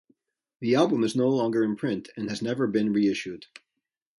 The album is no longer in print and has never been re-issued.